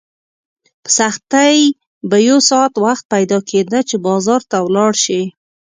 په سختۍ به یو ساعت وخت پیدا کېده چې بازار ته ولاړ شې.